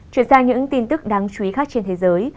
chuyển sang những tin tức đáng chú ý khác trên thế giới